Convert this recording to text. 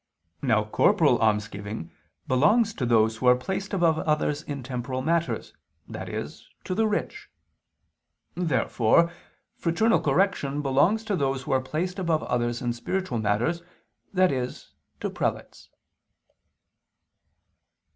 Now corporal almsgiving belongs to those who are placed above others in temporal matters, i.e. to the rich. Therefore fraternal correction belongs to those who are placed above others in spiritual matters, i.e. to prelates.